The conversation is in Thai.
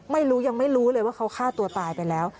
ไม่รู้ยังไม่รู้เลยว่าเขาฆ่าตัวตายไปแล้ว